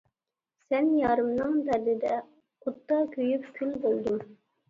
سەن يارىمنىڭ دەردىدە، ئوتتا كۆيۈپ كۈل بولدۇم.